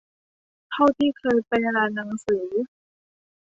เท่าที่เคยไปร้านหนังสือ